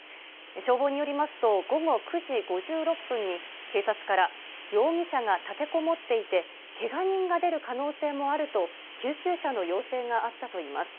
消防によりますと、午後９時５６分に、警察から、容疑者が立てこもっていて、けが人が出る可能性もあると、救急車の要請があったといいます。